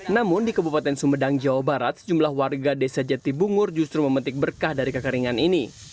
namun di kabupaten sumedang jawa barat sejumlah warga desa jati bungur justru memetik berkah dari kekeringan ini